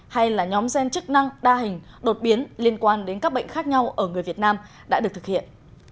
hay là nhóm gen chức năng đa hình đột biến liên quan đến các bệnh khác nhau ở người việt nam đã được thực hiện